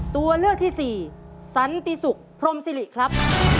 ตัวเลือกที่สี่สันติสุขพรมศิริครับ